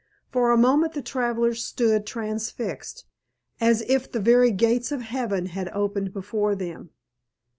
For a moment the travelers stood transfixed, as if the very gates of heaven had opened before them.